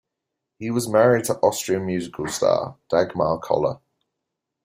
He was married to Austrian musical star, Dagmar Koller.